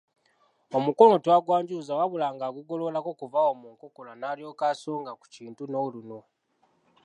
Omukono tagwanjuluza wabula ng'agugololako kuva awo mu nkokola n'alyoka asonga ku kintu n'olunwe.